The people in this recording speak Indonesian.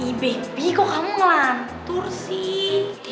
ibe ibe kok kamu ngelantur sih